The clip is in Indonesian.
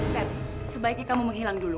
sebaiknya kamu menghilang dulu